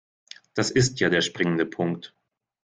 Das ist ja der springende Punkt.